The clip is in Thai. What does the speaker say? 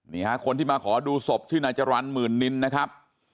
นี่ฮะคนที่มาขอดูศพชื่อนายจรรย์หมื่นนินนะครับ